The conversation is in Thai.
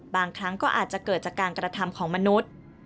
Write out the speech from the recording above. บางครั้งก็อาจจะเกิดจากการกระทำของมนุษย์